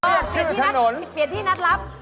เรียกชื่อถนนเปลี่ยนที่นัดรับ